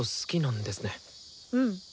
うん。